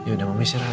udah mama besi rata ya